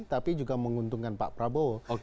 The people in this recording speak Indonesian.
tapi juga menguntungkan pak prabowo